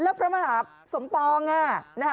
พี่บอกว่าบ้านทุกคนในที่นี่